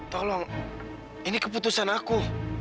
tolong ini keputusan aku